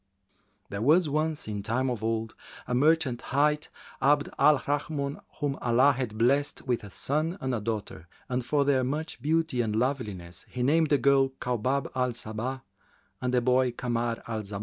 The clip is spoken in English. [FN#375] There was once, in time of old, a merchant hight Abd al Rahmбn, whom Allah had blessed with a son and daughter, and for their much beauty and loveliness, he named the girl Kaubab al Sabбh and the boy Kamar al Zamбn.